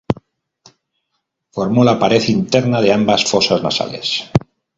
Forma la pared interna de ambas fosas nasales.